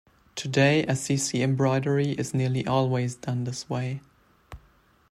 Today Assisi embroidery is nearly always done this way.